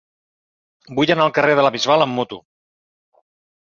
Vull anar al carrer de la Bisbal amb moto.